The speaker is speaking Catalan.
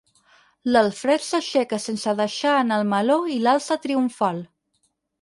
L'Alfred s'aixeca sense deixar anar el meló i l'alça triomfal.